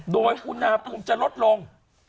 โดยอุณหภูมิจะลดลง